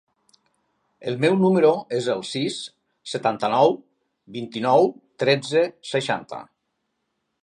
El meu número es el sis, setanta-nou, vint-i-nou, tretze, seixanta.